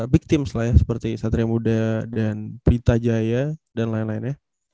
big teams lah ya seperti satria muda dan pritajaya dan lain lain ya